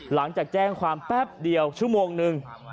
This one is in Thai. หลังจากแจ้งความแป๊บเดียวชั่วโมงนึง